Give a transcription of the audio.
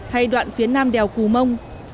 hay đoạn phía nam đèo cù mông